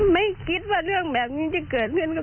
ไม่คิดว่าเรื่องแบบนี้จะเกิดขึ้น